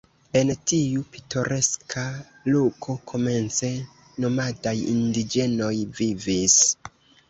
En tiu pitoreska loko komence nomadaj indiĝenoj vivis.